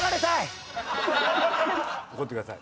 怒ってください。